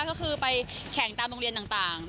ก็คือไปแข่งตามโรงเรียนต่าง